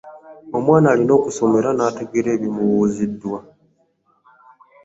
Omwana alina okusoma era nategeera ebimubuziddwa.